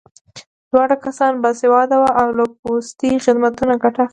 دواړه کسان باسواده وو او له پوستي خدمتونو ګټه اخیست